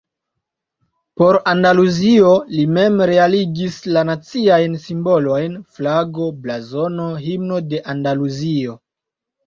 Por Andaluzio li mem realigis la naciajn simbolojn: flago, blazono, himno de Andaluzio.